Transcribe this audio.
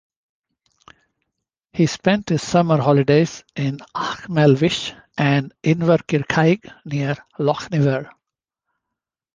He spent his summer holidays in Achmelvich, and Inverkirkaig, near Lochinver.